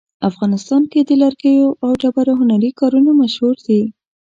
افغانستان کې د لرګیو او ډبرو هنري کارونه مشهور دي